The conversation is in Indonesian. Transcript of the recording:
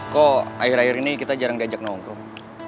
kok akhir akhir ini kita jarang diajak nongkrong